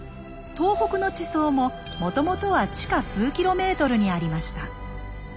東北の地層ももともとは地下数キロメートルにありました。